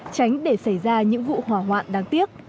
tránh để xảy ra những vụ hỏa hoạn đáng tiếc